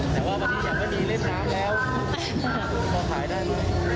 แต่ว่าวันนี้ยังไม่มีเล่นน้ำแล้วก็ขายได้ไหม